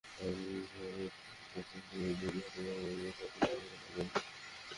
আমি হইলে বলতাম, শুক্লা জী, ফাতিমা মহলে থাকি, তাজ মহলে না।